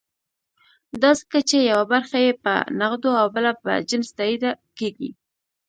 دا ځکه چې یوه برخه یې په نغدو او بله په جنس تادیه کېږي.